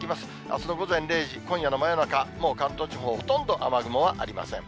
あすの午前０時、今夜の真夜中、もう関東地方、ほとんど雨雲はありません。